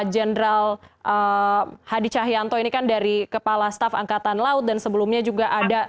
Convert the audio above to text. jenderal hadi cahyanto ini kan dari kepala staf angkatan laut dan sebelumnya juga ada